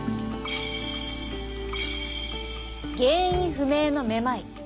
原因不明のめまい。